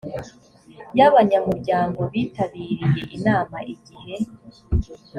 y abanyamuryango bitabiriye inama igihe